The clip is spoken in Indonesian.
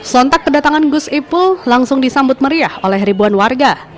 sontak kedatangan gus ipul langsung disambut meriah oleh ribuan warga